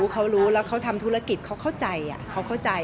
เขารู้แล้วเขาทำธุรกิจเขาเข้าใจ